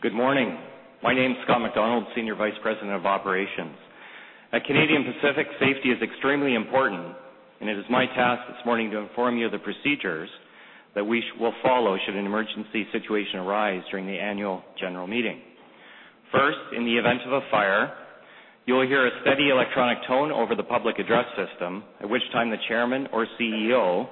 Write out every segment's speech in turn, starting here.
Good morning. My name is Scott MacDonald, Senior Vice President of Operations. At Canadian Pacific, safety is extremely important, and it is my task this morning to inform you of the procedures that we will follow should an emergency situation arise during the annual general meeting. First, in the event of a fire, you will hear a steady electronic tone over the public address system, at which time the chairman or CEO,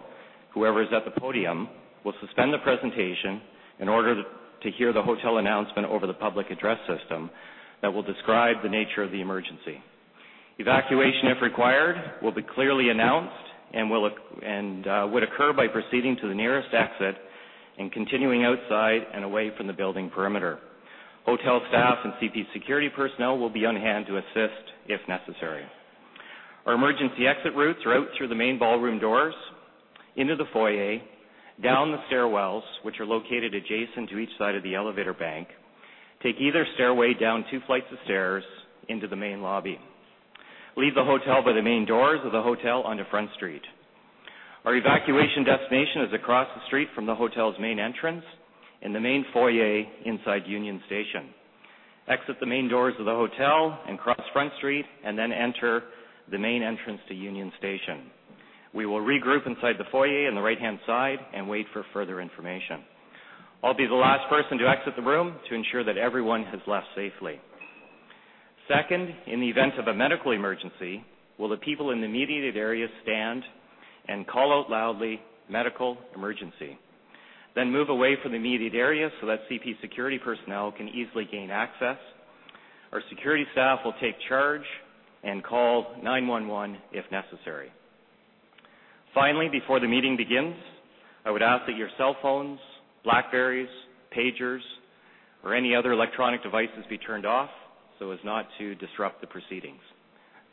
whoever is at the podium, will suspend the presentation in order to hear the hotel announcement over the public address system that will describe the nature of the emergency. Evacuation, if required, will be clearly announced and would occur by proceeding to the nearest exit and continuing outside and away from the building perimeter. Hotel staff and CP security personnel will be on hand to assist if necessary. Our emergency exit routes are out through the main ballroom doors, into the foyer, down the stairwells, which are located adjacent to each side of the elevator bank. Take either stairway down two flights of stairs into the main lobby. Leave the hotel by the main doors of the hotel onto Front Street. Our evacuation destination is across the street from the hotel's main entrance in the main foyer inside Union Station. Exit the main doors of the hotel and cross Front Street, and then enter the main entrance to Union Station. We will regroup inside the foyer on the right-hand side and wait for further information. I'll be the last person to exit the room to ensure that everyone has left safely. Second, in the event of a medical emergency, will the people in the immediate area stand and call out loudly, "Medical emergency." Then move away from the immediate area so that CP security personnel can easily gain access. Our security staff will take charge and call 911, if necessary. Finally, before the meeting begins, I would ask that your cell phones, BlackBerrys, pagers, or any other electronic devices be turned off so as not to disrupt the proceedings.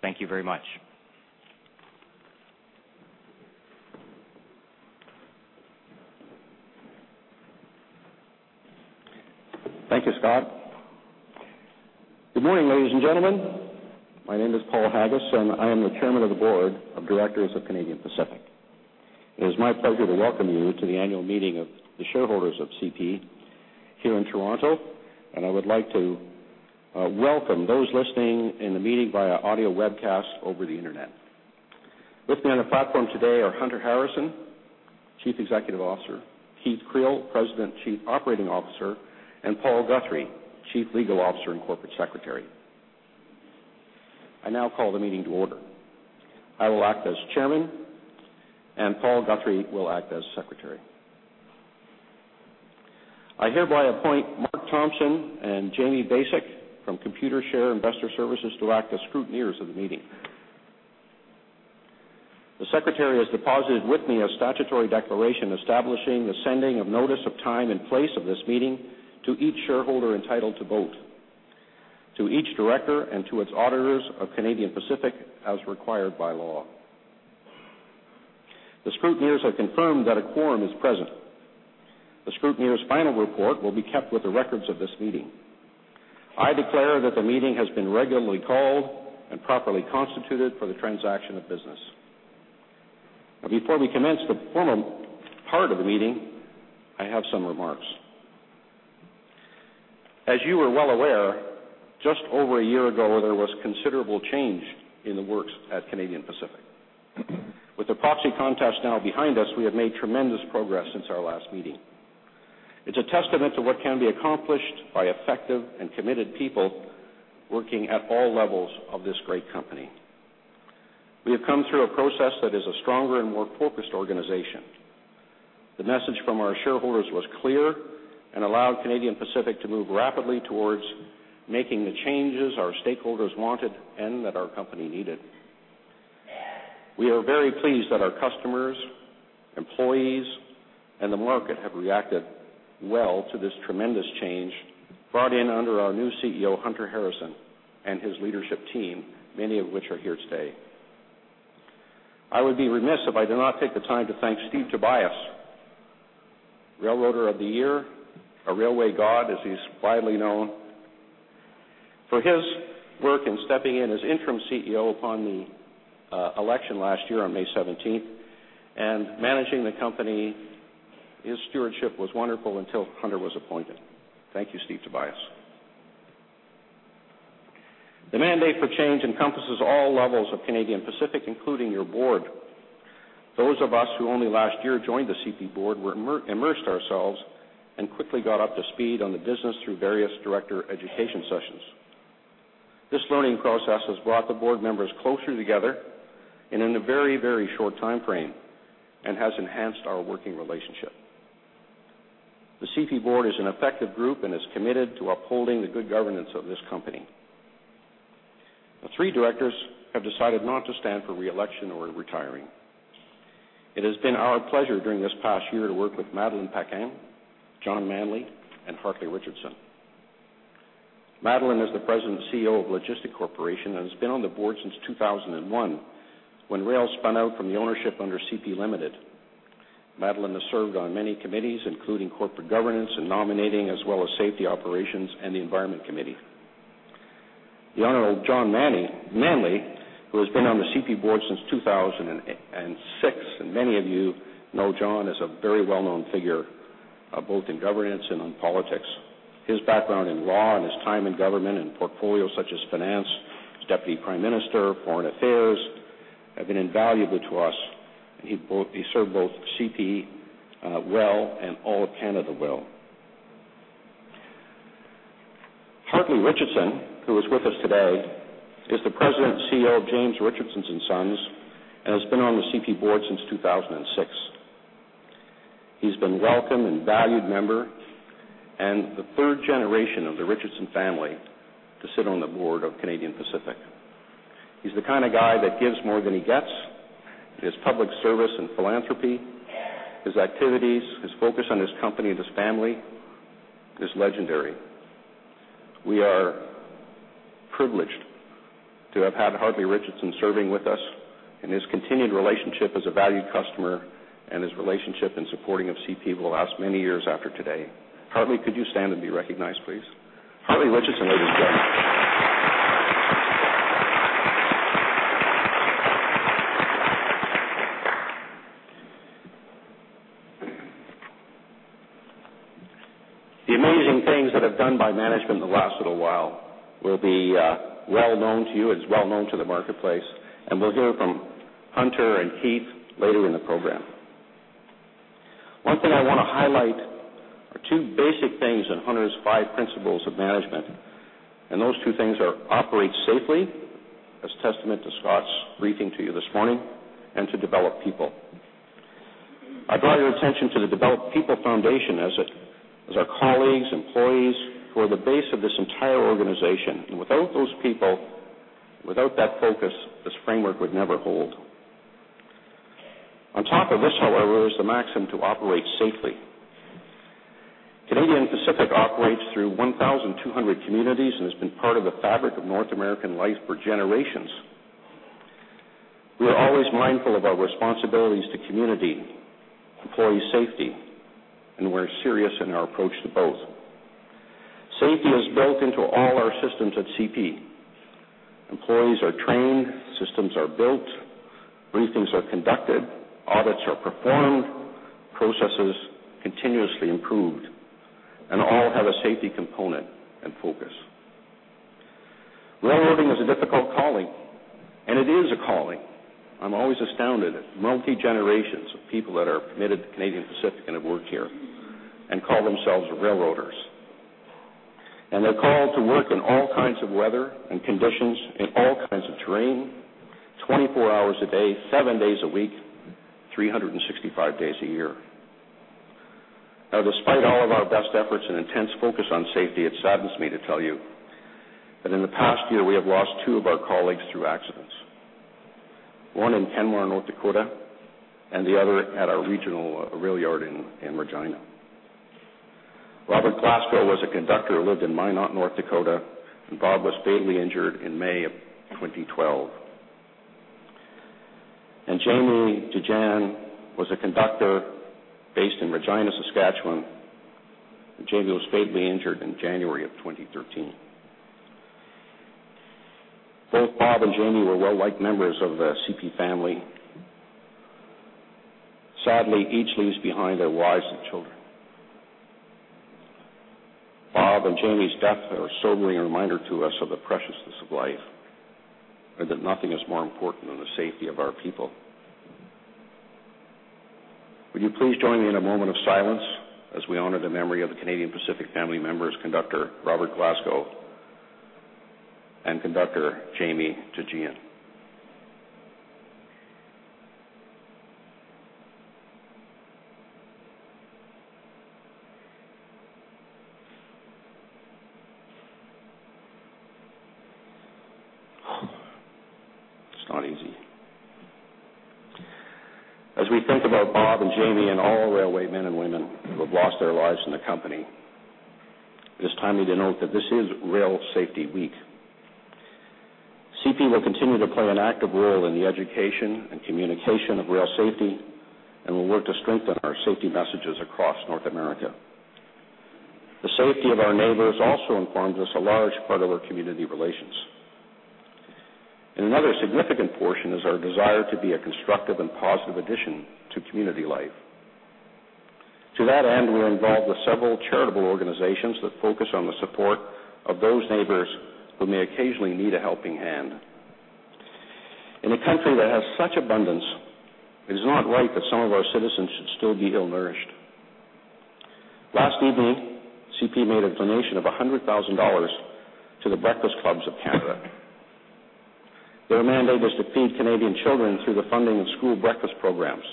Thank you very much. Thank you, Scott. Good morning, ladies and gentlemen. My name is Paul Haggis, and I am the Chairman of the Board of Directors of Canadian Pacific. It is my pleasure to welcome you to the annual meeting of the shareholders of CP here in Toronto, and I would like to welcome those listening in the meeting via audio webcast over the internet. With me on the platform today are Hunter Harrison, Chief Executive Officer, Keith Creel, President, Chief Operating Officer, and Paul Guthrie, Chief Legal Officer and Corporate Secretary. I now call the meeting to order. I will act as chairman, and Paul Guthrie will act as secretary. I hereby appoint Mark Thompson and Jamie Basac from Computershare Investor Services to act as scrutineers of the meeting. The secretary has deposited with me a statutory declaration establishing the sending of notice of time and place of this meeting to each shareholder entitled to vote, to each director, and to its auditors of Canadian Pacific, as required by law. The scrutineers have confirmed that a quorum is present. The scrutineers' final report will be kept with the records of this meeting. I declare that the meeting has been regularly called and properly constituted for the transaction of business. Now, before we commence the formal part of the meeting, I have some remarks. As you are well aware, just over a year ago, there was considerable change in the works at Canadian Pacific. With the proxy contest now behind us, we have made tremendous progress since our last meeting. It's a testament to what can be accomplished by effective and committed people working at all levels of this great company. We have come through a process that is a stronger and more focused organization. The message from our shareholders was clear and allowed Canadian Pacific to move rapidly towards making the changes our stakeholders wanted and that our company needed. We are very pleased that our customers, employees, and the market have reacted well to this tremendous change, brought in under our new CEO, Hunter Harrison, and his leadership team, many of which are here today. I would be remiss if I do not take the time to thank Steve Tobias, Railroader of the Year, a railway god, as he's widely known, for his work in stepping in as interim CEO upon the election last year on May seventeenth, and managing the company. His stewardship was wonderful until Hunter was appointed. Thank you, Steve Tobias. The mandate for change encompasses all levels of Canadian Pacific, including your board. Those of us who only last year joined the CP board were immersed ourselves and quickly got up to speed on the business through various director education sessions. This learning process has brought the board members closer together and in a very, very short time frame, and has enhanced our working relationship. The CP board is an effective group and is committed to upholding the good governance of this company. Now, three directors have decided not to stand for re-election or are retiring. It has been our pleasure during this past year to work with Madeleine Paquin, John Manley, and Hartley Richardson. Madeleine is the President and CEO of Logistec Corporation and has been on the board since 2001, when rail spun out from the ownership under CP Limited. Madeleine has served on many committees, including corporate governance and nominating, as well as safety, operations, and the environment committee. The Honorable John Manley, Manley, who has been on the CP board since 2006, and many of you know John as a very well-known figure, both in governance and in politics. His background in law and his time in government, in portfolios such as finance, Deputy Prime Minister, Foreign Affairs, have been invaluable to us. He served both CP well and all of Canada well. Hartley Richardson, who is with us today, is the President and CEO of James Richardson & Sons, and has been on the CP board since 2006. He's been welcome and valued member, and the third generation of the Richardson family to sit on the board of Canadian Pacific. He's the kind of guy that gives more than he gets. His public service and philanthropy, his activities, his focus on his company and his family is legendary. We are privileged to have had Hartley Richardson serving with us, and his continued relationship as a valued customer, and his relationship in supporting of CP will last many years after today. Hartley, could you stand and be recognized, please? Hartley Richardson, ladies and gentlemen. The amazing things that have done by management in the last little while will be well known to you, as well known to the marketplace, and we'll hear from Hunter and Keith later in the program. One thing I want to highlight are two basic things in Hunter's five principles of management, and those two things are operate safely, as testament to Scott's briefing to you this morning, and to develop people. I draw your attention to the Develop People Foundation as it, as our colleagues, employees, who are the base of this entire organization. And without those people, without that focus, this framework would never hold. On top of this, however, is the maxim to operate safely. Canadian Pacific operates through 1,200 communities, and has been part of the fabric of North American life for generations. We are always mindful of our responsibilities to community, employee safety, and we're serious in our approach to both. Safety is built into all our systems at CP. Employees are trained, systems are built, briefings are conducted, audits are performed, processes continuously improved, and all have a safety component and focus. Railroading is a difficult calling, and it is a calling. I'm always astounded at multi-generations of people that are committed to Canadian Pacific and have worked here and call themselves railroaders. They're called to work in all kinds of weather and conditions, in all kinds of terrain, 24 hours a day, 7 days a week, 365 days a year. Now, despite all of our best efforts and intense focus on safety, it saddens me to tell you that in the past year, we have lost two of our colleagues through accidents. One in Kenmare, North Dakota, and the other at our regional rail yard in Regina. Robert Glasgow was a conductor who lived in Minot, North Dakota, and Bob was fatally injured in May of 2012. Jamie Jijian was a conductor based in Regina, Saskatchewan. Jamie was fatally injured in January of 2013. Both Bob and Jamie were well-liked members of the CP family. Sadly, each leaves behind their wives and children. Bob and Jamie's deaths are soberly a reminder to us of the preciousness of life, and that nothing is more important than the safety of our people. Would you please join me in a moment of silence as we honor the memory of the Canadian Pacific family members, Conductor Robert Glasgow and Conductor Jamie Jijian? It's not easy. As we think about Bob and Jamie and all railway men and women who have lost their lives in the company, it is timely to note that this is Rail Safety Week. CP will continue to play an active role in the education and communication of rail safety, and will work to strengthen our safety messages across North America. The safety of our neighbors also informs a large part of our community relations. Another significant portion is our desire to be a constructive and positive addition to community life. To that end, we're involved with several charitable organizations that focus on the support of those neighbors who may occasionally need a helping hand. In a country that has such abundance, it is not right that some of our citizens should still be ill-nourished. Last evening, CP made a donation of CAD 100,000 to the Breakfast Clubs of Canada. Their mandate is to feed Canadian children through the funding of school breakfast programs.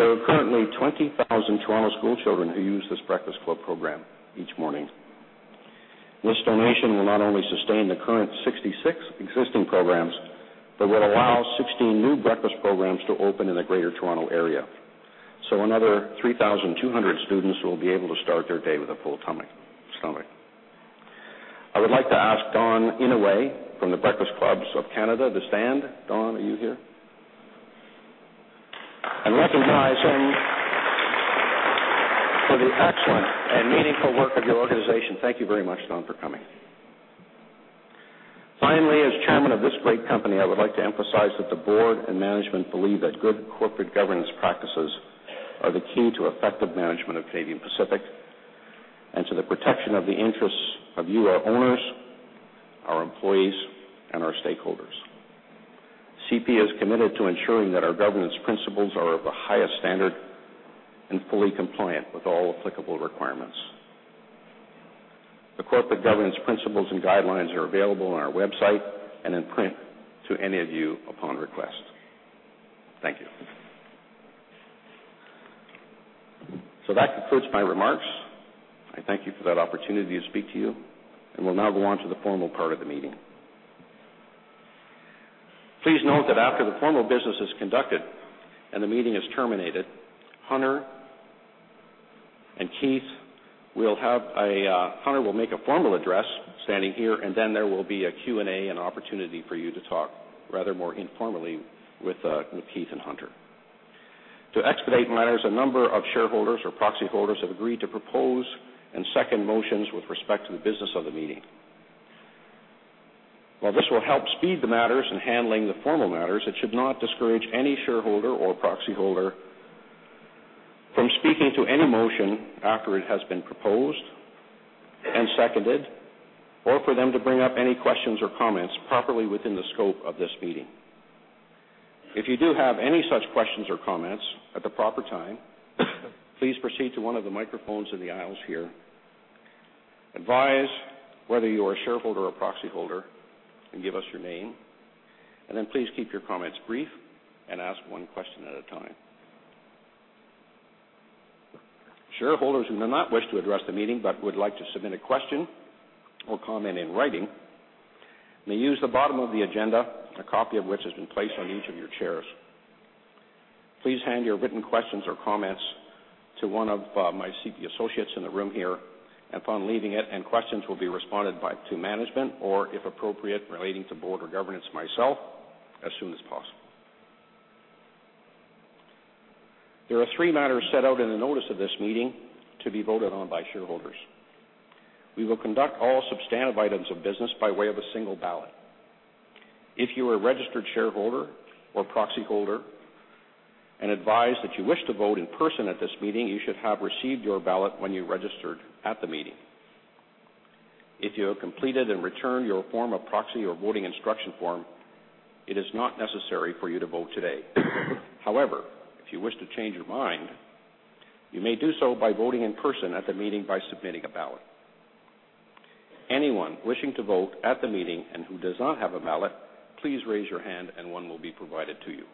There are currently 20,000 Toronto schoolchildren who use this Breakfast Club program each morning. This donation will not only sustain the current 66 existing programs, but will allow 16 new breakfast programs to open in the Greater Toronto area. So another 3,200 students will be able to start their day with a full tummy, stomach. I would like to ask Don Inouye from the Breakfast Clubs of Canada to stand. Don, are you here? And recognize him for the excellent and meaningful work of your organization. Thank you very much, Don, for coming. Finally, as chairman of this great company, I would like to emphasize that the board and management believe that good corporate governance practices are the key to effective management of Canadian Pacific and to the protection of the interests of you, our owners, our employees, and our stakeholders. CP is committed to ensuring that our governance principles are of the highest standard and fully compliant with all applicable requirements. The corporate governance principles and guidelines are available on our website and in print to any of you upon request. Thank you. So that concludes my remarks. I thank you for that opportunity to speak to you, and we'll now go on to the formal part of the meeting. Please note that after the formal business is conducted and the meeting is terminated, Hunter will make a formal address standing here, and then there will be a Q&A and opportunity for you to talk rather more informally with Keith and Hunter. To expedite matters, a number of shareholders or proxy holders have agreed to propose and second motions with respect to the business of the meeting. While this will help speed the matters in handling the formal matters, it should not discourage any shareholder or proxy holder from speaking to any motion after it has been proposed and seconded, or for them to bring up any questions or comments properly within the scope of this meeting. If you do have any such questions or comments at the proper time, please proceed to one of the microphones in the aisles here. Advise whether you're a shareholder or proxy holder, and give us your name, and then please keep your comments brief and ask one question at a time. Shareholders who do not wish to address the meeting but would like to submit a question or comment in writing, may use the bottom of the agenda, a copy of which has been placed on each of your chairs. Please hand your written questions or comments to one of my CP associates in the room here, upon leaving it, and questions will be responded by, to management or, if appropriate, relating to board or governance, myself, as soon as possible. There are three matters set out in the notice of this meeting to be voted on by shareholders. We will conduct all substantive items of business by way of a single ballot. If you are a registered shareholder or proxy holder and advise that you wish to vote in person at this meeting, you should have received your ballot when you registered at the meeting. If you have completed and returned your form of proxy or voting instruction form, it is not necessary for you to vote today. However, if you wish to change your mind, you may do so by voting in person at the meeting by submitting a ballot. Anyone wishing to vote at the meeting and who does not have a ballot, please raise your hand, and one will be provided to you.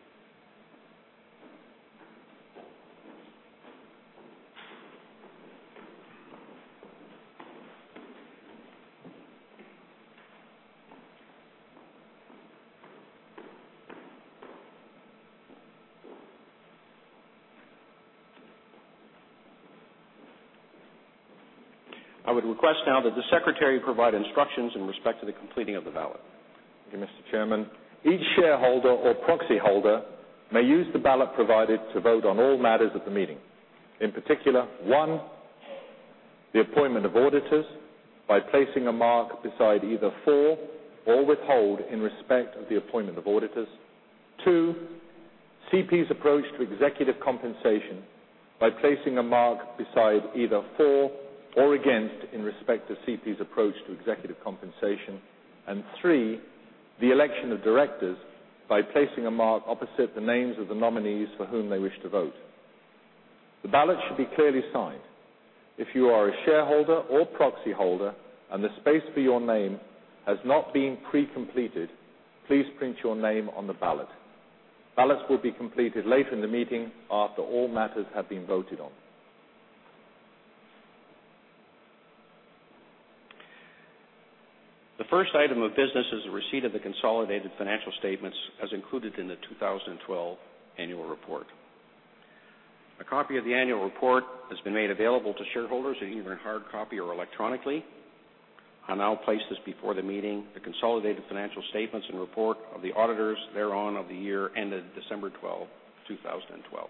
I would request now that the secretary provide instructions in respect to the completing of the ballot. Thank you, Mr. Chairman. Each shareholder or proxy holder may use the ballot provided to vote on all matters at the meeting. In particular, 1, the appointment of auditors by placing a mark beside either for or withhold in respect of the appointment of auditors. 2, CP's approach to executive compensation by placing a mark beside either for or against in respect to CP's approach to executive compensation. And 3, the election of directors by placing a mark opposite the names of the nominees for whom they wish to vote. The ballot should be clearly signed. If you are a shareholder or proxy holder, and the space for your name has not been pre-completed, please print your name on the ballot. Ballots will be completed late in the meeting, after all matters have been voted on. The first item of business is the receipt of the consolidated financial statements, as included in the 2012 annual report. A copy of the annual report has been made available to shareholders in either hard copy or electronically. I now place this before the meeting, the consolidated financial statements and report of the auditors thereon of the year ended December 12, 2012.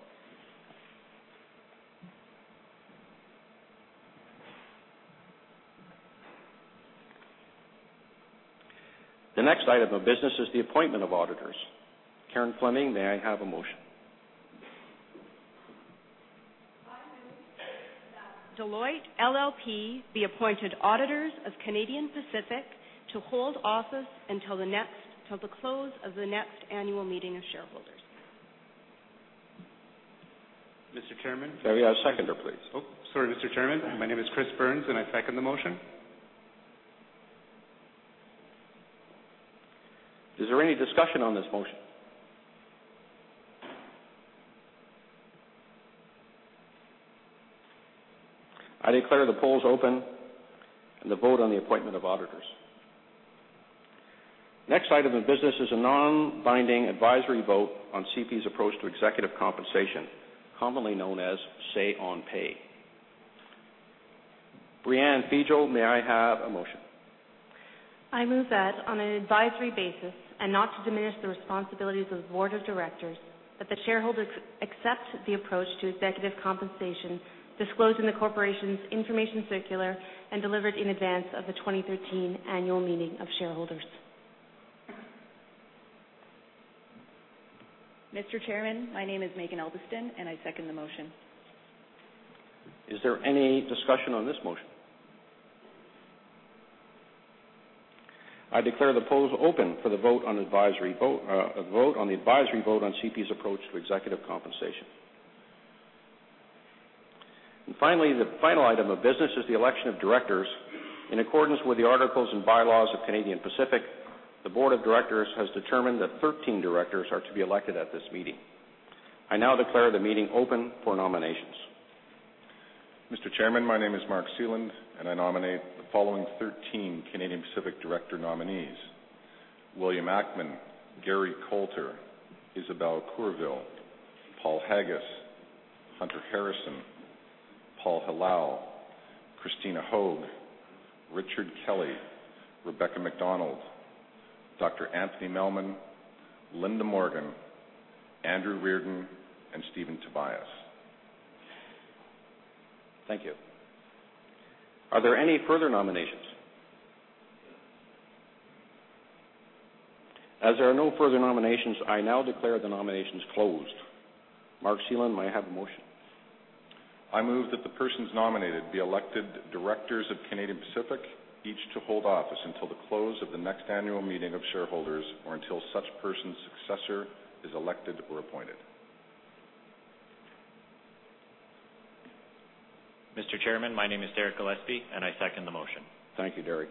The next item of business is the appointment of auditors. Karen Fleming, may I have a motion? I move that Deloitte LLP be appointed auditors of Canadian Pacific to hold office till the close of the next annual meeting of shareholders. Mr. Chairman? May we have a seconder, please. Oh, sorry, Mr. Chairman. My name is Chris Burns, and I second the motion. Is there any discussion on this motion? I declare the polls open and the vote on the appointment of auditors. Next item of business is a non-binding advisory vote on CP's approach to executive compensation, commonly known as say-on-pay. Brianne Fijo, may I have a motion? I move that on an advisory basis and not to diminish the responsibilities of the board of directors, that the shareholders accept the approach to executive compensation disclosed in the corporation's information circular and delivered in advance of the 2013 annual meeting of shareholders. Mr. Chairman, my name is Maeghan Albiston, and I second the motion. Is there any discussion on this motion? I declare the polls open for the vote on advisory vote, a vote on the advisory vote on CP's approach to executive compensation. And finally, the final item of business is the election of directors. In accordance with the articles and bylaws of Canadian Pacific, the board of directors has determined that 13 directors are to be elected at this meeting. I now declare the meeting open for nominations. Mr. Chairman, my name is Mark Seland, and I nominate the following 13 Canadian Pacific director nominees: William Ackman, Gary Colter, Isabelle Courville, Paul Haggis, Hunter Harrison, Paul Hilal, Krystyne Hoeg, Richard Kelly, Rebecca MacDonald, Anthony Melman, Linda Morgan, Andrew Reardon, and Stephen Tobias. Thank you. Are there any further nominations? As there are no further nominations, I now declare the nominations closed. Mark Seland, may I have a motion? I move that the persons nominated be elected directors of Canadian Pacific, each to hold office until the close of the next annual meeting of shareholders, or until such person's successor is elected or appointed. Mr. Chairman, my name is Deryk Gillespie, and I second the motion. Thank you, Derek.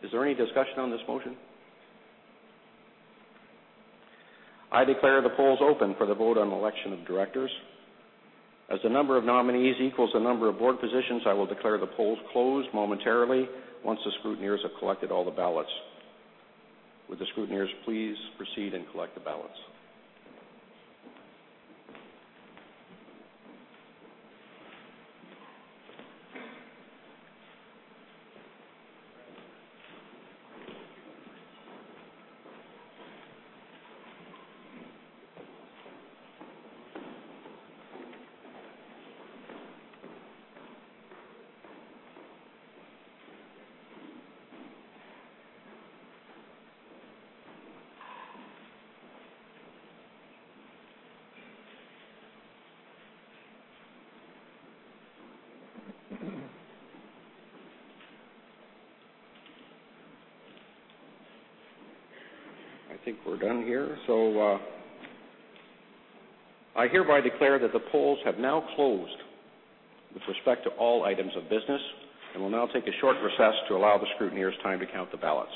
Is there any discussion on this motion? I declare the polls open for the vote on election of directors. As the number of nominees equals the number of board positions, I will declare the polls closed momentarily once the scrutineers have collected all the ballots. Would the scrutineers please proceed and collect the ballots? I think we're done here. So, I hereby declare that the polls have now closed with respect to all items of business, and we'll now take a short recess to allow the scrutineers time to count the ballots.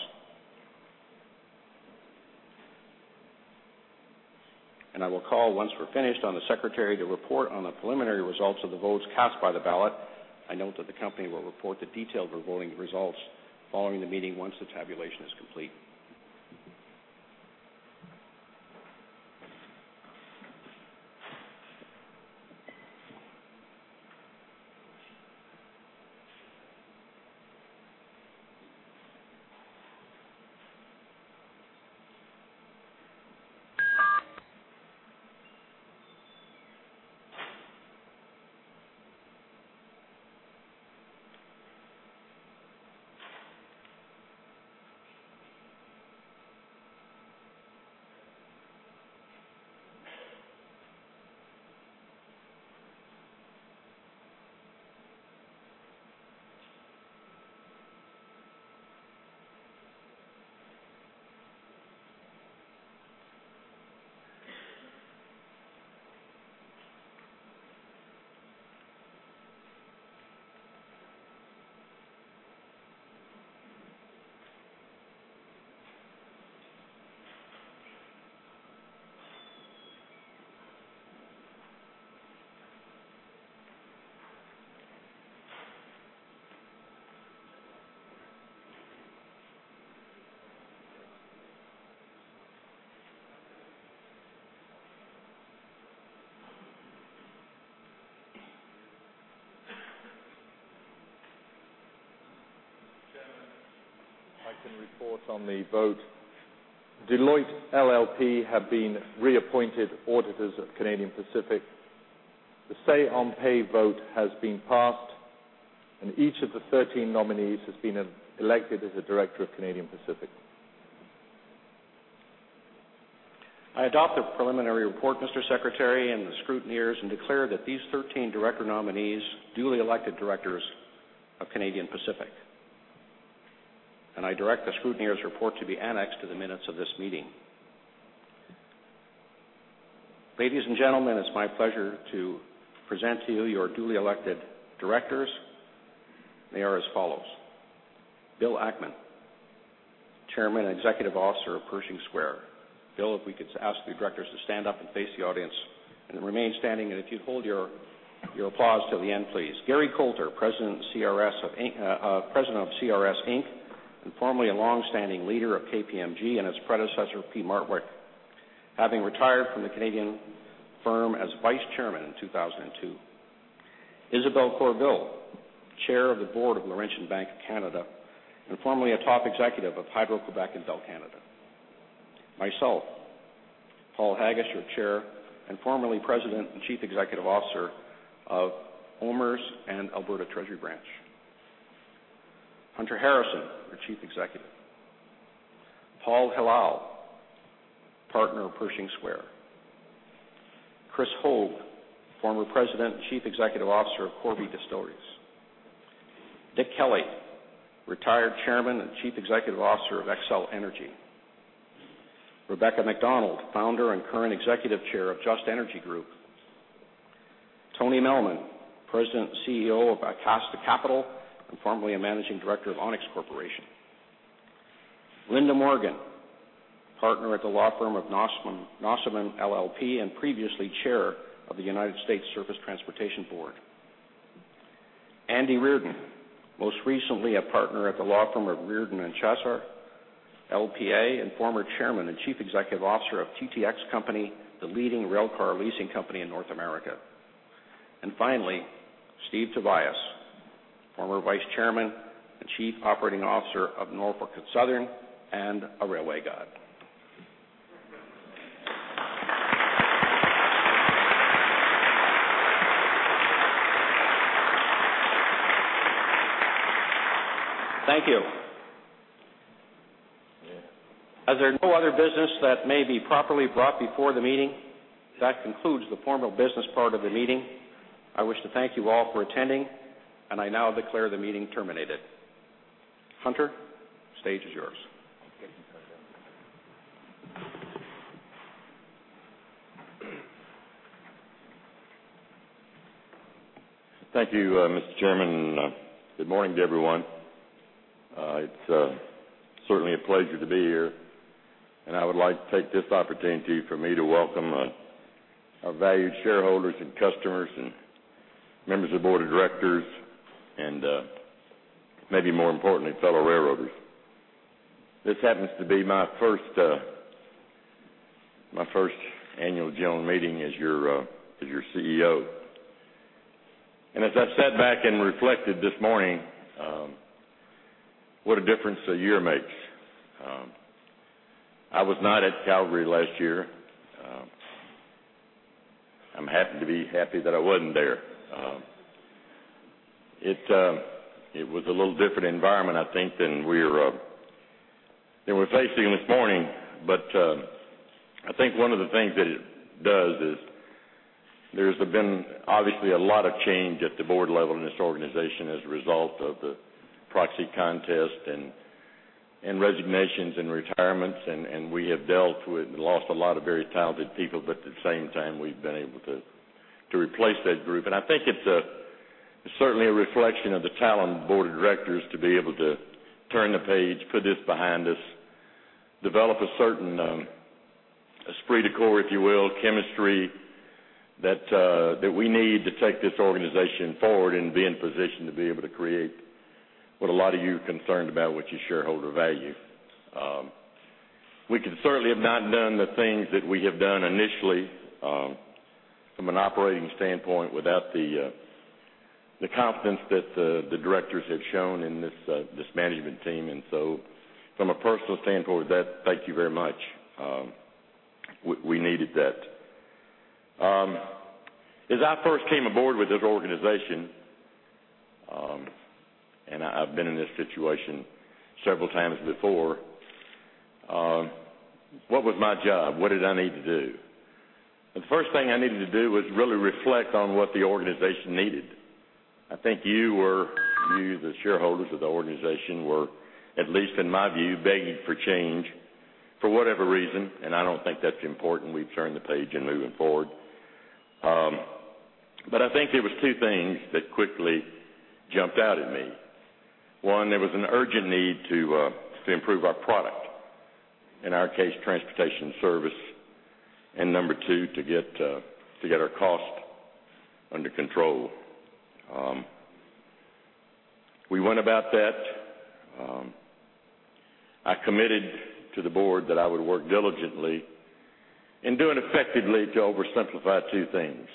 I will call, once we're finished, on the secretary to report on the preliminary results of the votes cast by the ballot. I note that the company will report the detailed voting results following the meeting once the tabulation is complete. I can report on the vote. Deloitte LLP have been reappointed auditors of Canadian Pacific. The say-on-pay vote has been passed, and each of the 13 nominees has been elected as a director of Canadian Pacific. I adopt the preliminary report, Mr. Secretary, and the scrutineers, and declare that these thirteen director nominees, duly elected directors of Canadian Pacific. I direct the scrutineers' report to be annexed to the minutes of this meeting. Ladies and gentlemen, it's my pleasure to present to you your duly elected directors. They are as follows: Bill Ackman, chairman and executive officer of Pershing Square. Bill, if we could ask the directors to stand up and face the audience and remain standing, and if you'd hold your, your applause till the end, please. Gary Colter, president of CRS Inc., and formerly a long-standing leader of KPMG and its predecessor, Peat Marwick, having retired from the Canadian firm as Vice Chairman in 2002. Isabelle Courville, Chair of the Board of Laurentian Bank of Canada, and formerly a top executive of Hydro-Québec and Bell Canada. Myself, Paul Haggis, your Chair, and formerly President and Chief Executive Officer of OMERS and Alberta Treasury Branch. Hunter Harrison, our Chief Executive. Paul Hilal, partner of Pershing Square. Krystyne Hoeg, former President and Chief Executive Officer of Corby Distilleries. Dick Kelly, retired Chairman and Chief Executive Officer of Xcel Energy. Rebecca MacDonald, founder and current Executive Chair of Just Energy Group. Anthony Melman, President and CEO of Acasta Capital, and formerly a Managing Director of Onex Corporation. Linda Morgan, partner at the law firm of Nossaman, Nossaman LLP, and previously Chair of the United States Surface Transportation Board. Andrew Reardon, most recently a partner at the law firm of Reardon and Chasar, L.P.A., and former Chairman and Chief Executive Officer of TTX Company, the leading railcar leasing company in North America. And finally, Steve Tobias, former Vice Chairman and Chief Operating Officer of Norfolk Southern and a railway god. Thank you. As there are no other business that may be properly brought before the meeting, that concludes the formal business part of the meeting. I wish to thank you all for attending, and I now declare the meeting terminated. Hunter, the stage is yours. Thank you, Mr. Chairman. Good morning to everyone. It's certainly a pleasure to be here, and I would like to take this opportunity for me to welcome our valued shareholders and customers and members of the board of directors, and maybe more importantly, fellow railroaders. This happens to be my first annual general meeting as your CEO. As I've sat back and reflected this morning, what a difference a year makes. I was not at Calgary last year. I'm happy to be happy that I wasn't there. It was a little different environment, I think, than we're facing this morning. But I think one of the things that it does is, there's been obviously a lot of change at the board level in this organization as a result of the proxy contest and resignations and retirements, and we have dealt with and lost a lot of very talented people, but at the same time, we've been able to replace that group. And I think it's certainly a reflection of the talented board of directors to be able to turn the page, put this behind us, develop a certain esprit de corps, if you will, chemistry, that we need to take this organization forward and be in position to be able to create what a lot of you are concerned about, which is shareholder value. We could certainly have not done the things that we have done initially, from an operating standpoint, without the confidence that the directors have shown in this management team. And so from a personal standpoint, with that, thank you very much. We needed that. As I first came aboard with this organization, and I've been in this situation several times before, what was my job? What did I need to do? The first thing I needed to do was really reflect on what the organization needed. I think you were, you, the shareholders of the organization, were, at least in my view, begging for change for whatever reason, and I don't think that's important. We've turned the page and moving forward. But I think there were two things that quickly jumped out at me. One, there was an urgent need to improve our product, in our case, transportation service. And number two, to get our costs under control. We went about that. I committed to the board that I would work diligently and do it effectively to oversimplify two things: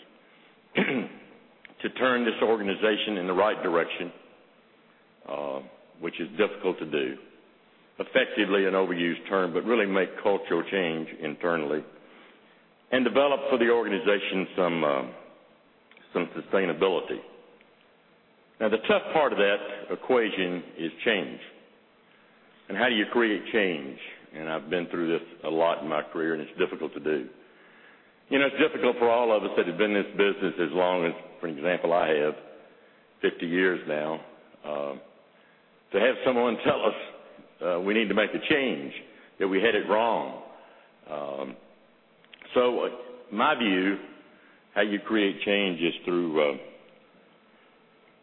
to turn this organization in the right direction, which is difficult to do, effectively an overused term, but really make cultural change internally and develop for the organization some sustainability. Now, the tough part of that equation is change. And how do you create change? And I've been through this a lot in my career, and it's difficult to do. You know, it's difficult for all of us that have been in this business as long as, for example, I have, 50 years now, to have someone tell us, we need to make a change, that we had it wrong. So my view, how you create change is through,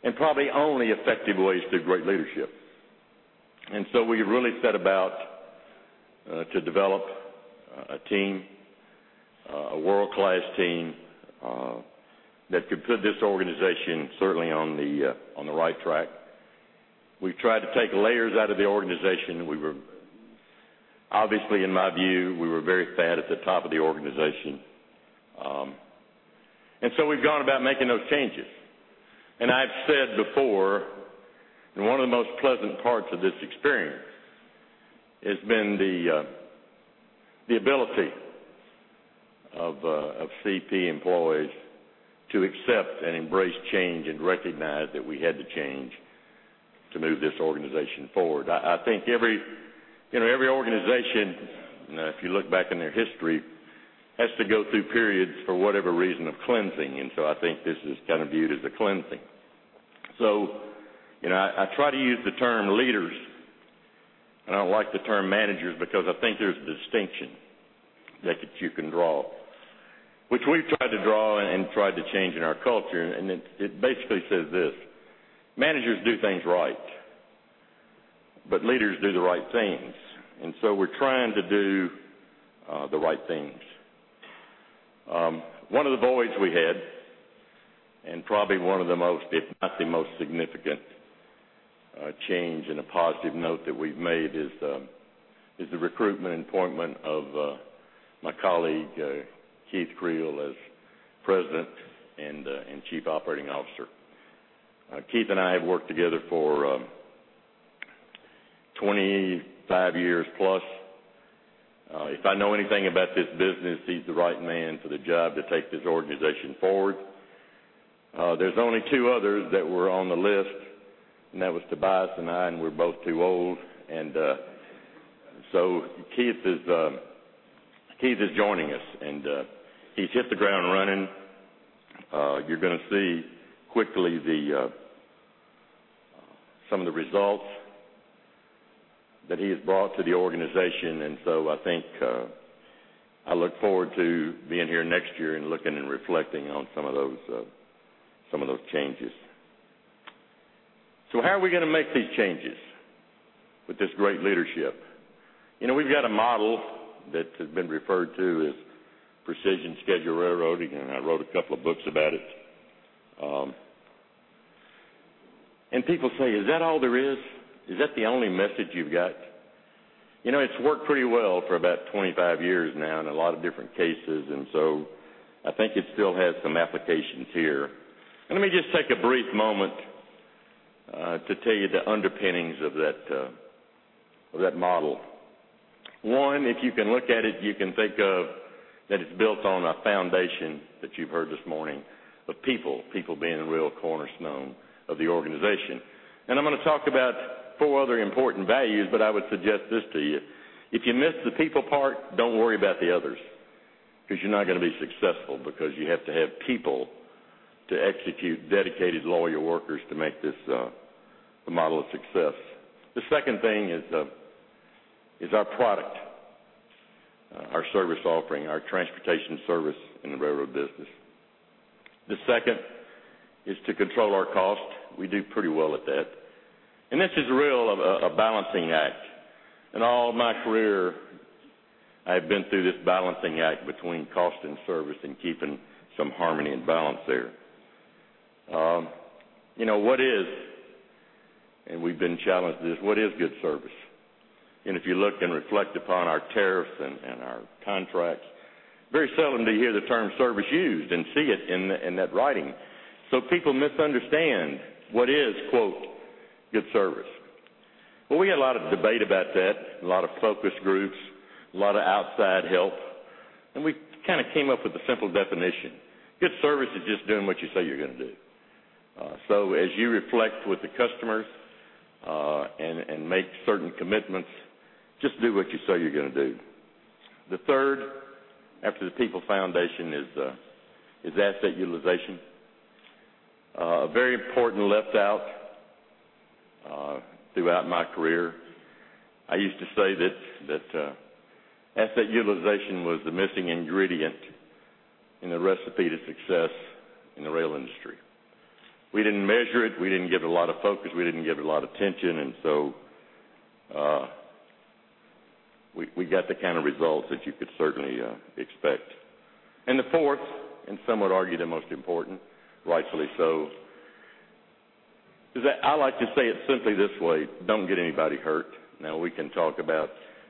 and probably only effective way is through great leadership. And so we really set about, to develop a team, a world-class team, that could put this organization certainly on the, on the right track. We've tried to take layers out of the organization. We were, obviously, in my view, we were very fat at the top of the organization. And so we've gone about making those changes. And I've said before, and one of the most pleasant parts of this experience has been the ability of CP employees to accept and embrace change and recognize that we had to change to move this organization forward. I think every, you know, organization, if you look back in their history, has to go through periods for whatever reason of cleansing, and so I think this is kind of viewed as a cleansing. So you know, I try to use the term leaders, and I don't like the term managers because I think there's a distinction that you can draw, which we've tried to draw and tried to change in our culture. And it basically says this: managers do things right, but leaders do the right things. And so we're trying to do the right things. One of the voids we had, and probably one of the most, if not the most significant, change in a positive note that we've made is the recruitment and appointment of my colleague, Keith Creel, as President and Chief Operating Officer. Keith and I have worked together for 25 years+. If I know anything about this business, he's the right man for the job to take this organization forward. There's only two others that were on the list, and that was Tobias and I, and we're both too old. And, so Keith is joining us, and he's hit the ground running. You're gonna see quickly the some of the results that he has brought to the organization. So I think, I look forward to being here next year and looking and reflecting on some of those, some of those changes. So how are we gonna make these changes with this great leadership? You know, we've got a model that has been referred to as Precision Scheduled Railroading, and I wrote a couple of books about it. And people say: Is that all there is? Is that the only message you've got? You know, it's worked pretty well for about 25 years now in a lot of different cases, and so I think it still has some applications here. Let me just take a brief moment, to tell you the underpinnings of that, of that model. One, if you can look at it, you can think of that it's built on a foundation that you've heard this morning, of people, people being a real cornerstone of the organization. And I'm gonna talk about four other important values, but I would suggest this to you: If you miss the people part, don't worry about the others, 'cause you're not gonna be successful because you have to have people to execute, dedicated, loyal workers to make this, the model a success. The second thing is our product, our service offering, our transportation service in the railroad business. The second is to control our cost. We do pretty well at that. And this is real, a balancing act. In all of my career, I've been through this balancing act between cost and service and keeping some harmony and balance there. You know, what is, and we've been challenged this, what is good service? And if you look and reflect upon our tariffs and our contracts, very seldom do you hear the term service used and see it in that writing. So people misunderstand what is, quote, good service. Well, we had a lot of debate about that, a lot of focus groups, a lot of outside help, and we kinda came up with a simple definition. Good service is just doing what you say you're gonna do. So as you reflect with the customers and make certain commitments, just do what you say you're gonna do. The third, after the people foundation, is asset utilization. Very important, left out throughout my career. I used to say that asset utilization was the missing ingredient in the recipe to success in the rail industry. We didn't measure it, we didn't give it a lot of focus, we didn't give it a lot of attention, and so we got the kind of results that you could certainly expect. And the fourth, and some would argue, the most important, rightfully so, is that I like to say it simply this way: Don't get anybody hurt. Now, we can talk about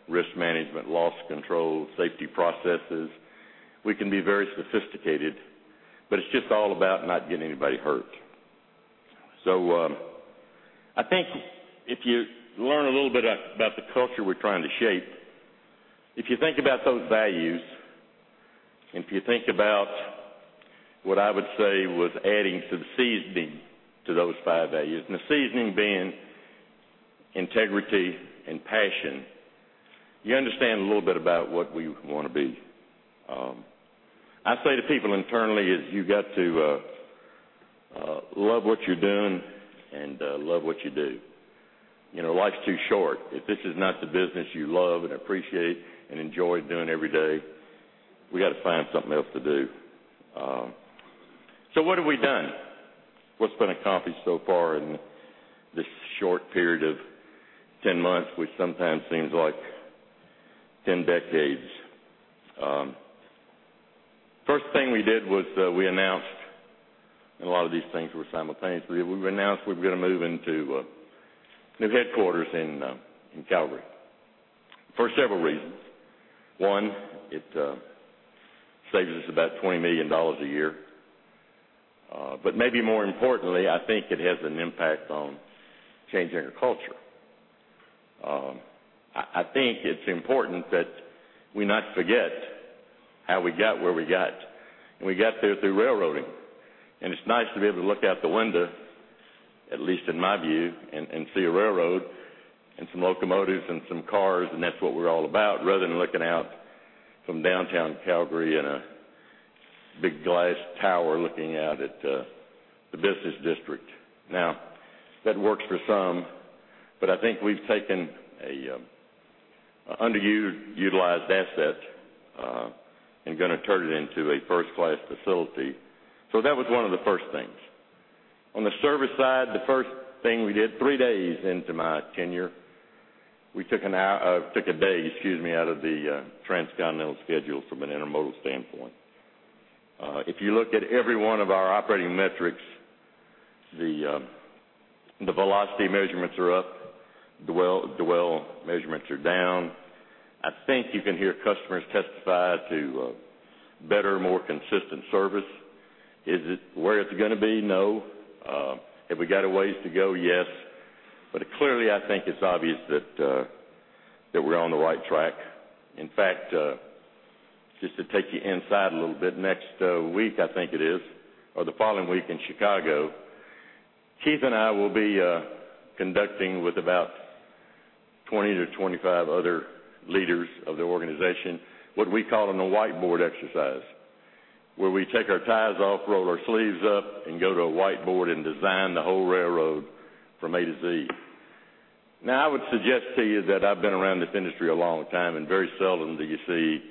risk management, loss control, safety processes. We can be very sophisticated, but it's just all about not getting anybody hurt. So, I think if you learn a little bit about the culture we're trying to shape, if you think about those values, and if you think about what I would say was adding some seasoning to those five values, and the seasoning being integrity and passion, you understand a little bit about what we wanna be. I say to people internally is, "You've got to love what you're doing and love what you do." You know, life's too short. If this is not the business you love and appreciate and enjoy doing every day, we gotta find something else to do. So what have we done? What's been accomplished so far in this short period of 10 months, which sometimes seems like 10 decades? First thing we did was, we announced, and a lot of these things were simultaneous, we announced we were gonna move into new headquarters in Calgary for several reasons. One, it saves us about 20 million dollars a year. But maybe more importantly, I think it has an impact on changing our culture. I think it's important that we not forget how we got where we got, and we got there through railroading. And it's nice to be able to look out the window, at least in my view, and see a railroad and some locomotives and some cars, and that's what we're all about, rather than looking out from downtown Calgary in a big glass tower, looking out at the business district. Now, that works for some, but I think we've taken an underused, utilized asset and gonna turn it into a first-class facility. So that was one of the first things. On the service side, the first thing we did, three days into my tenure, we took an hour, took a day, excuse me, out of the transcontinental schedule from an intermodal standpoint. If you look at every one of our operating metrics, the velocity measurements are up, dwell measurements are down. I think you can hear customers testify to better, more consistent service. Is it where it's gonna be? No. Have we got a ways to go? Yes. But clearly, I think it's obvious that we're on the right track. In fact, just to take you inside a little bit, next week, I think it is, or the following week in Chicago, Keith and I will be conducting with about 20-25 other leaders of the organization, what we call a whiteboard exercise, where we take our ties off, roll our sleeves up, and go to a whiteboard and design the whole railroad from A to Z. Now, I would suggest to you that I've been around this industry a long time, and very seldom do you see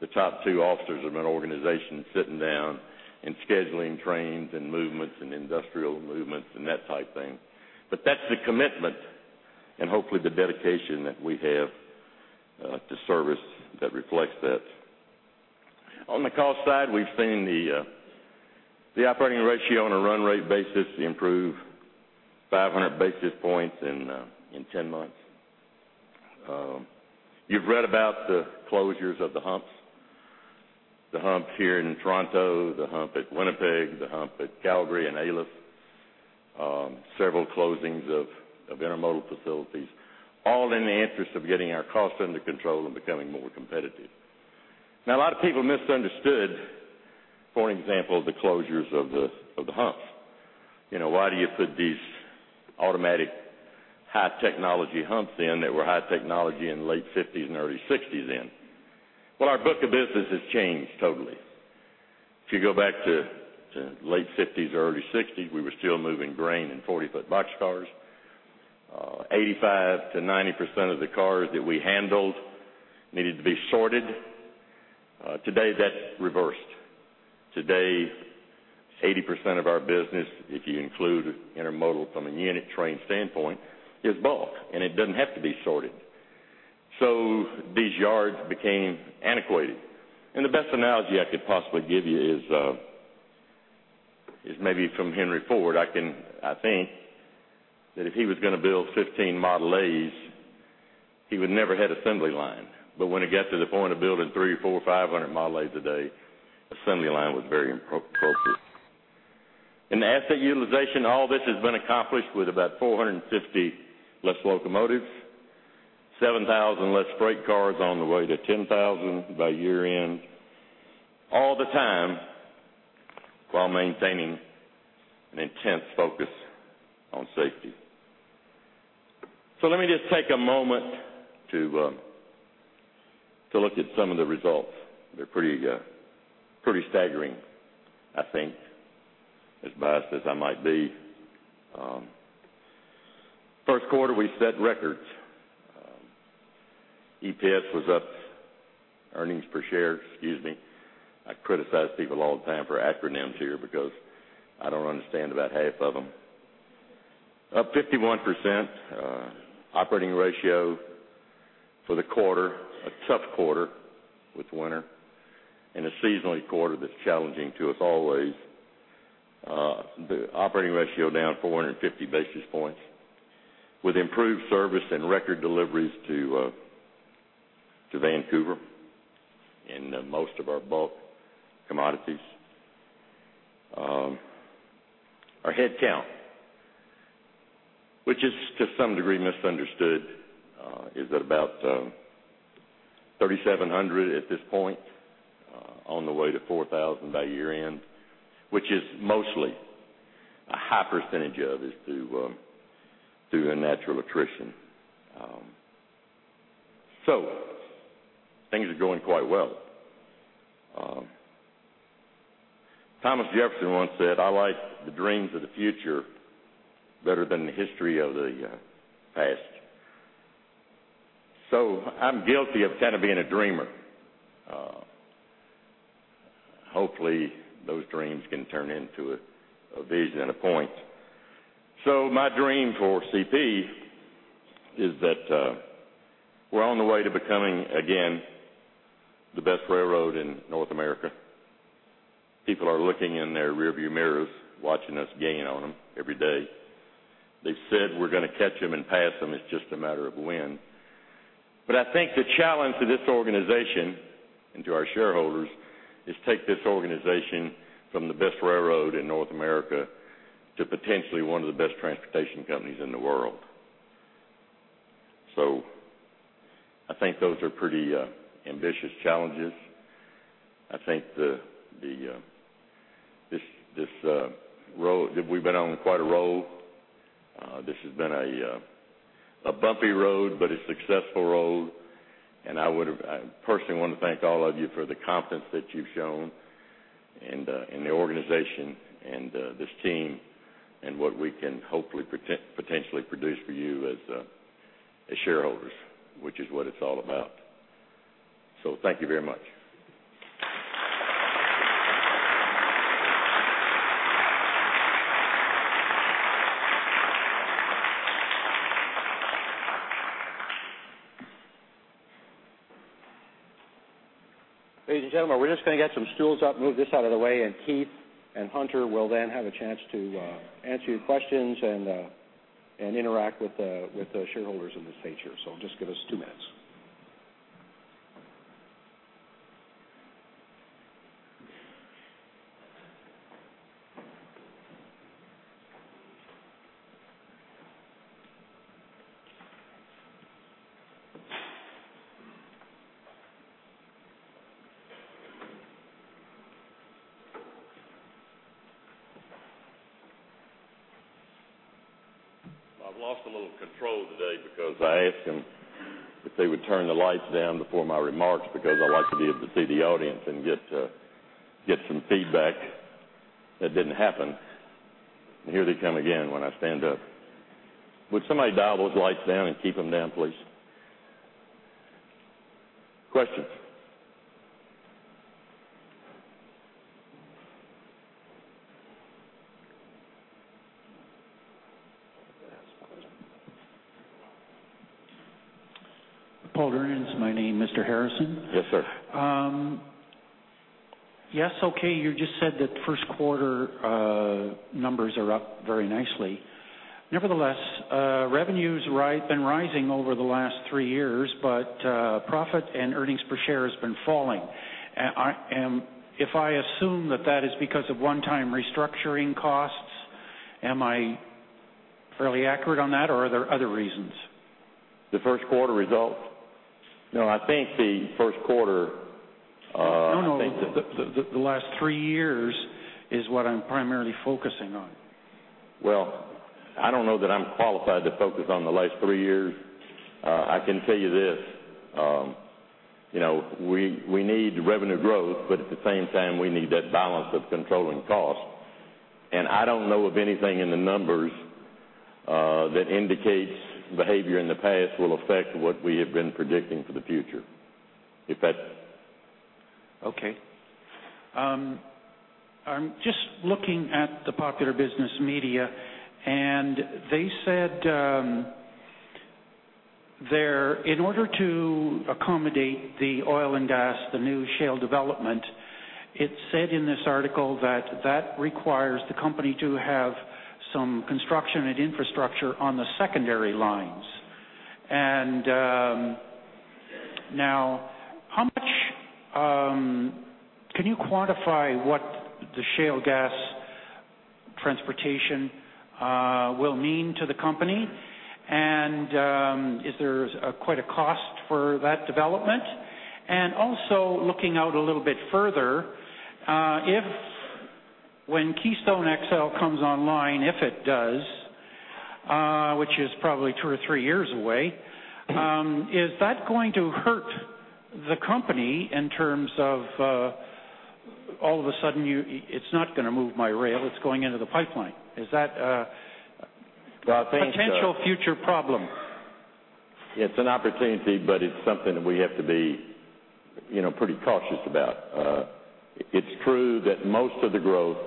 the top two officers of an organization sitting down and scheduling trains and movements and industrial movements and that type thing. But that's the commitment and hopefully the dedication that we have to service that reflects that. On the cost side, we've seen the operating ratio on a run rate basis improve 500 basis points in 10 months. You've read about the closures of the humps. The humps here in Toronto, the hump at Winnipeg, the hump at Calgary and Alyth, several closings of intermodal facilities, all in the interest of getting our costs under control and becoming more competitive. Now, a lot of people misunderstood, for an example, the closures of the humps. You know, why do you put these automatic high technology humps in that were high technology in the late 1950s and early 1960s in? Well, our book of business has changed totally. If you go back to late 1950s or early 1960s, we were still moving grain in 40-foot boxcars. 85%-90% of the cars that we handled needed to be sorted. Today, that's reversed. Today, 80% of our business, if you include intermodal from a unit train standpoint, is bulk, and it doesn't have to be sorted. So these yards became antiquated. And the best analogy I could possibly give you is, is maybe from Henry Ford. I think that if he was gonna build 15 Model As, he would never hit assembly line. But when it got to the point of building three or four, 500 Model As a day, assembly line was very appropriate. In asset utilization, all this has been accomplished with about 450 less locomotives, 7,000 less freight cars on the way to 10,000 by year-end, all the time, while maintaining an intense focus on safety. So let me just take a moment to, to look at some of the results. They're pretty, pretty staggering, I think, as biased as I might be. First quarter, we set records. EPS was up, earnings per share, excuse me. I criticize people all the time for acronyms here because I don't understand about half of them. Up 51%, operating ratio for the quarter, a tough quarter with winter and a seasonally quarter that's challenging to us always. The operating ratio down 450 basis points with improved service and record deliveries to, to Vancouver in most of our bulk commodities. Our headcount, which is to some degree misunderstood, is at about 3,700 at this point, on the way to 4,000 by year-end, which is mostly a high percentage of is through, through a natural attrition. So things are going quite well. Thomas Jefferson once said, "I like the dreams of the future better than the history of the past." So I'm guilty of kind of being a dreamer. Hopefully, those dreams can turn into a, a vision and a point. So my dream for CP is that, we're on the way to becoming, again, the best railroad in North America. People are looking in their rearview mirrors, watching us gain on them every day. They've said we're gonna catch them and pass them; it's just a matter of when. But I think the challenge to this organization and to our shareholders is take this organization from the best railroad in North America to potentially one of the best transportation companies in the world. So I think those are pretty ambitious challenges. I think this road—we've been on quite a road. This has been a bumpy road, but a successful road, and I personally want to thank all of you for the confidence that you've shown in the organization and this team, and what we can hopefully potentially produce for you as shareholders, which is what it's all about. So thank you very much. Ladies and gentlemen, we're just gonna get some stools up, move this out of the way, and Keith and Hunter will then have a chance to answer your questions and interact with the, with the shareholders in this nature. So just give us two minutes. I've lost a little control today because I asked them if they would turn the lights down before my remarks, because I like to be able to see the audience and get, get some feedback. That didn't happen. Here they come again, when I stand up. Would somebody dial those lights down and keep them down, please? Questions. Paul Durien is my name, Mr. Harrison. Yes, sir. Yes, okay. You just said that first quarter numbers are up very nicely. Nevertheless, revenues rise, been rising over the last three years, but profit and earnings per share has been falling. If I assume that that is because of one-time restructuring costs, am I fairly accurate on that, or are there other reasons? The first quarter results? No, I think the first quarter. No. The last three years is what I'm primarily focusing on. Well, I don't know that I'm qualified to focus on the last three years. I can tell you this, you know, we need revenue growth, but at the same time, we need that balance of controlling costs. And I don't know of anything in the numbers that indicates behavior in the past will affect what we have been predicting for the future, if that- Okay. I'm just looking at the popular business media, and they said, in order to accommodate the oil and gas, the new shale development, it said in this article that that requires the company to have some construction and infrastructure on the secondary lines. And now, how much can you quantify what the shale gas transportation will mean to the company? And is there quite a cost for that development? And also, looking out a little bit further, if when Keystone XL comes online, if it does, which is probably two or three years away, is that going to hurt the company in terms of all of a sudden, you, it's not gonna move by rail, it's going into the pipeline. Is that a potential future problem? It's an opportunity, but it's something that we have to be, you know, pretty cautious about. It's true that most of the growth,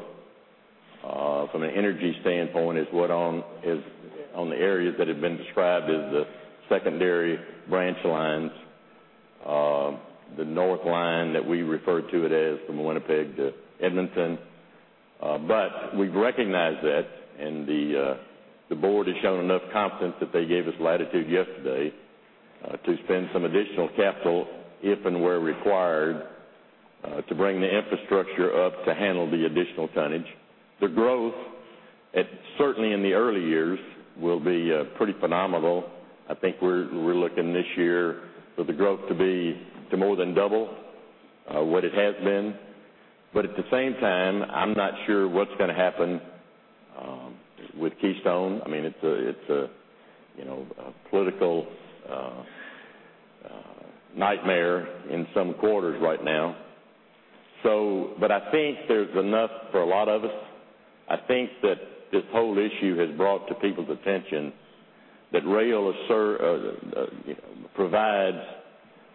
from an energy standpoint, is on the areas that have been described as the secondary branch lines, the north line, that we refer to as from Winnipeg to Edmonton. But we've recognized that, and the board has shown enough confidence that they gave us latitude yesterday to spend some additional capital, if and where required, to bring the infrastructure up to handle the additional tonnage. The growth, certainly in the early years, will be pretty phenomenal. I think we're looking this year for the growth to be more than double what it has been. But at the same time, I'm not sure what's gonna happen with Keystone. I mean, it's a, it's a, you know, a political nightmare in some quarters right now. So but I think there's enough for a lot of us. I think that this whole issue has brought to people's attention that rail assets, you know, provide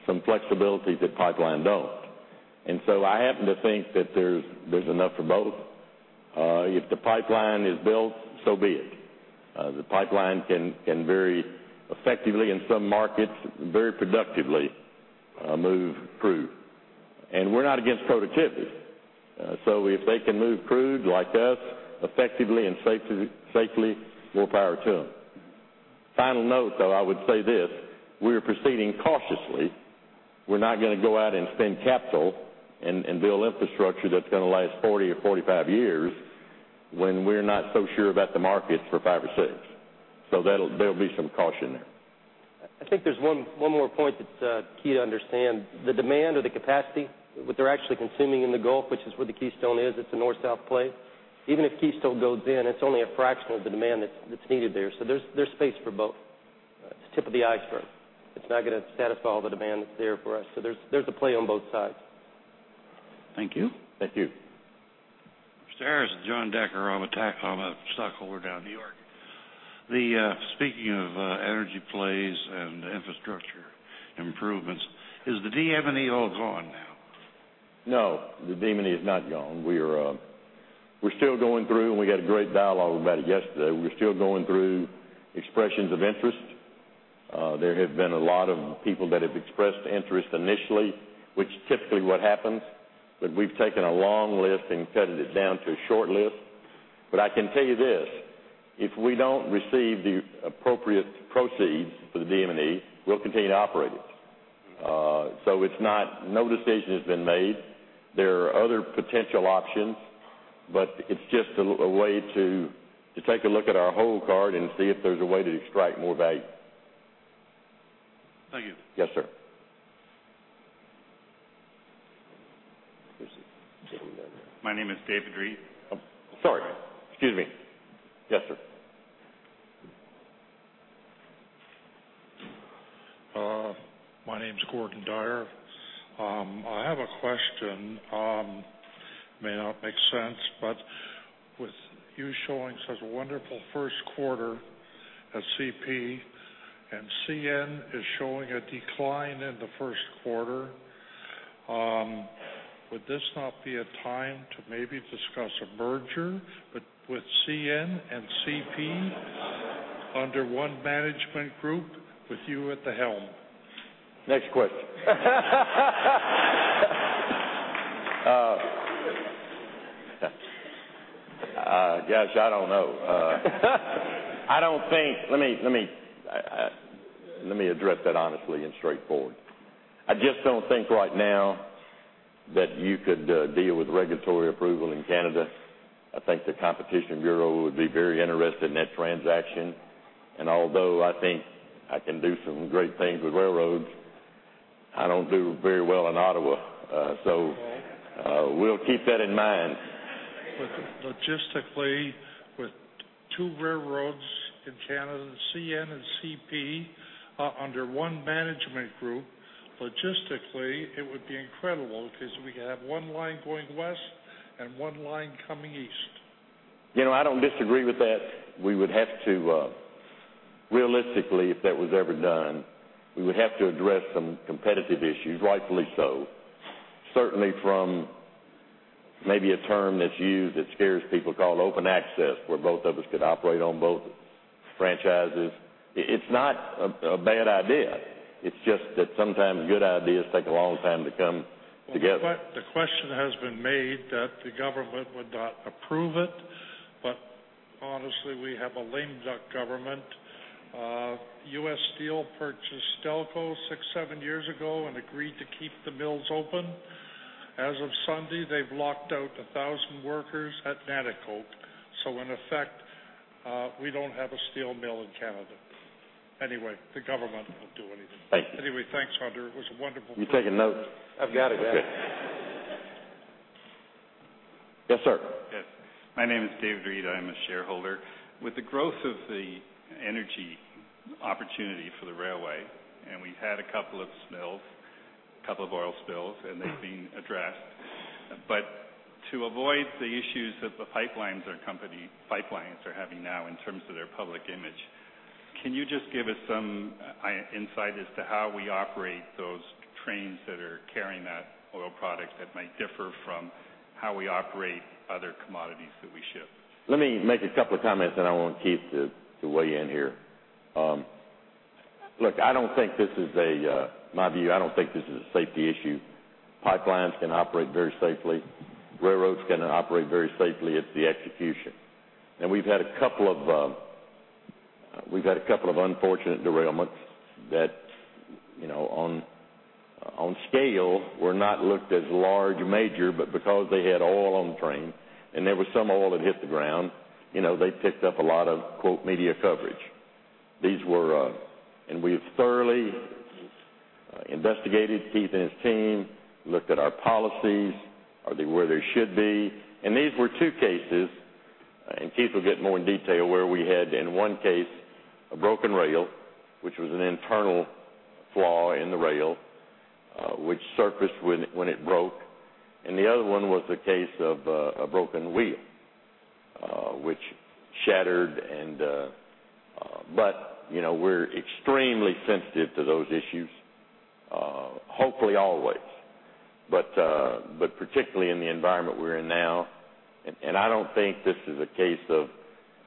some flexibilities that pipeline don't. And so I happen to think that there's enough for both. If the pipeline is built, so be it. The pipeline can very effectively in some markets, very productively, move crude. And we're not against productivity. So if they can move crude like us effectively and safely, more power to them. Final note, though, I would say this: We are proceeding cautiously. We're not gonna go out and spend capital and build infrastructure that's gonna last 40 or 45 years when we're not so sure about the market for 5 or 6. So that'll. There'll be some caution there. I think there's one more point that's key to understand. The demand or the capacity, what they're actually consuming in the Gulf, which is where the Keystone is, it's a north-south play. Even if Keystone goes in, it's only a fraction of the demand that's needed there. So there's space for both. It's the tip of the iceberg. It's not gonna satisfy all the demand that's there for us. So there's a play on both sides. Thank you. Thank you. Mr. Haggis, John Decker, I'm a stockholder down in New York. The, speaking of, energy plays and infrastructure improvements, is the DM&E all gone now? No, the DM&E is not gone. We are, we're still going through, and we had a great dialogue about it yesterday. We're still going through expressions of interest. There have been a lot of people that have expressed interest initially, which is typically what happens. But we've taken a long list and cut it down to a short list. But I can tell you this: If we don't receive the appropriate proceeds for the DM&E, we'll continue to operate it. So it's not. No decision has been made. There are other potential options, but it's just a way to take a look at our whole card and see if there's a way to extract more value. Thank you. Yes, sir. My name is David Reed. I'm sorry. Excuse me. My name's Gordon Dyer. I have a question. May not make sense, but with you showing such a wonderful first quarter at CP, and CN is showing a decline in the first quarter, would this not be a time to maybe discuss a merger, but with CN and CP under one management group with you at the helm? Next question. Gosh, I don't know. Let me address that honestly and straightforward. I just don't think right now that you could deal with regulatory approval in Canada. I think the Competition Bureau would be very interested in that transaction. And although I think I can do some great things with railroads, I don't do very well in Ottawa. So, we'll keep that in mind. Logistically, with two railroads in Canada, CN and CP, under one management group, logistically, it would be incredible because we have one line going west and one line coming east. You know, I don't disagree with that. We would have to, realistically, if that was ever done, we would have to address some competitive issues, rightfully so, certainly from maybe a term that's used that scares people called open access, where both of us could operate on both franchises. It's not a bad idea. It's just that sometimes good ideas take a long time to come together. But the question has been made that the government would not approve it, but honestly, we have a lame duck government. U.S. Steel purchased Stelco 6 or 7 years ago and agreed to keep the mills open. As of Sunday, they've locked out 1,000 workers at Nanticoke, so in effect, we don't have a steel mill in Canada. Anyway, the government won't do anything. Thank you. Anyway, thanks, Hunter. It was a wonderful- You taking notes? I've got it, yeah. Yes, sir. Yes. My name is David Reed. I'm a shareholder. With the growth of the energy opportunity for the railway, and we've had a couple of spills, a couple of oil spills, and they've been addressed. But to avoid the issues that the pipelines are having now in terms of their public image, can you just give us some insight as to how we operate those trains that are carrying that oil product that might differ from how we operate other commodities that we ship? Let me make a couple of comments, and I want Keith to, to weigh in here. Look, I don't think this is a, my view, I don't think this is a safety issue. Pipelines can operate very safely. Railroads can operate very safely. It's the execution. And we've had a couple of, we've had a couple of unfortunate derailments that, you know, on, on scale, were not looked as large or major, but because they had oil on the train and there was some oil that hit the ground, you know, they picked up a lot of, quote, "media coverage." These were, and we've thoroughly investigated, Keith and his team, looked at our policies, are they where they should be? These were two cases, and Keith will get more in detail, where we had, in one case, a broken rail, which was an internal flaw in the rail, which surfaced when it broke, and the other one was a case of a broken wheel, which shattered and, but, you know, we're extremely sensitive to those issues, hopefully always. But, but particularly in the environment we're in now, and I don't think this is a case of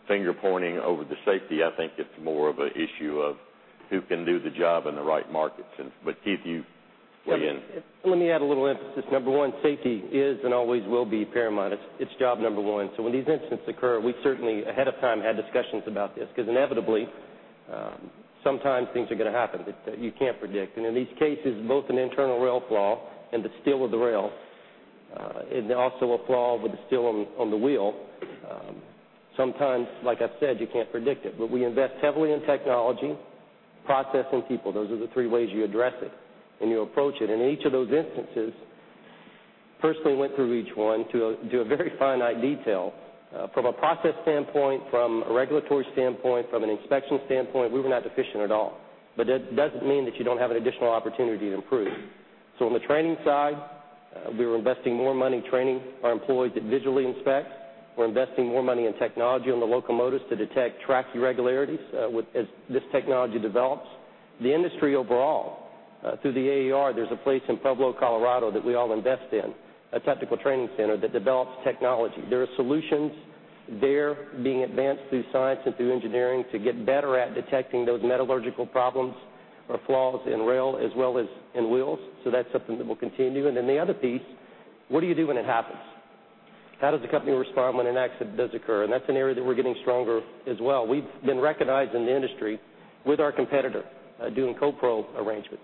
finger-pointing over the safety. I think it's more of an issue of who can do the job in the right markets. And, but, Keith, you weigh in. Let me add a little emphasis. Number one, safety is and always will be paramount. It's job number one. So when these incidents occur, we certainly, ahead of time, had discussions about this, because inevitably, sometimes things are going to happen that you can't predict. And in these cases, both an internal rail flaw and the steel of the rail, and also a flaw with the steel on the wheel. Sometimes, like I said, you can't predict it, but we invest heavily in technology, process, and people. Those are the three ways you address it, and you approach it. In each of those instances, firstly, went through each one to a very finite detail. From a process standpoint, from a regulatory standpoint, from an inspection standpoint, we were not deficient at all. But that doesn't mean that you don't have an additional opportunity to improve. So on the training side, we were investing more money training our employees that visually inspect. We're investing more money in technology on the locomotives to detect track irregularities, as this technology develops. The industry overall, through the AAR, there's a place in Pueblo, Colorado, that we all invest in, a technical training center that develops technology. There are solutions there being advanced through science and through engineering to get better at detecting those metallurgical problems or flaws in rail as well as in wheels. So that's something that will continue. And then the other piece: what do you do when it happens? How does the company respond when an accident does occur? And that's an area that we're getting stronger as well. We've been recognized in the industry with our competitor doing co-pro arrangements.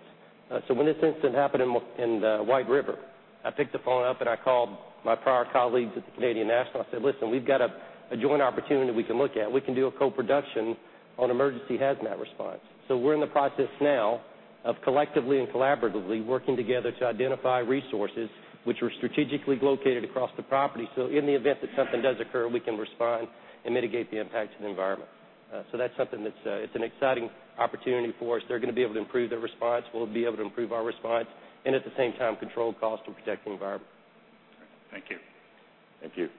So when this incident happened in White River, I picked the phone up and I called my prior colleagues at the Canadian National. I said: "Listen, we've got a joint opportunity we can look at. We can do a co-production on emergency hazmat response." So we're in the process now of collectively and collaboratively working together to identify resources which are strategically located across the property, so in the event that something does occur, we can respond and mitigate the impact to the environment. So that's something that's, it's an exciting opportunity for us. They're going to be able to improve their response, we'll be able to improve our response, and at the same time, control costs and protect the environment. Thank you. Thank you.